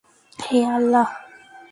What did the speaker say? হে, আল্লাহ!